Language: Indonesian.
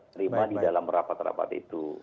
terima di dalam rapat rapat itu